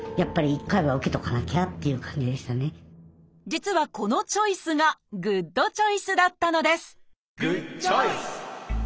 実はこのチョイスがグッドチョイスだったのですグッドチョイス！